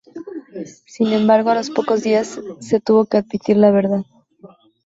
Sin embargo, a los pocos días se tuvo que admitir la verdad.